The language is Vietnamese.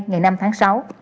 ngày năm tháng sáu